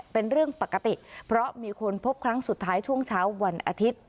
เป็นเรื่องปกติเพราะมีคนพบครั้งสุดท้ายช่วงเช้าวันอาทิตย์